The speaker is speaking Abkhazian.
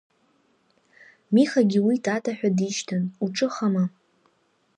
Михагьы уи Тата ҳәа дишьҭан, уҿыхама?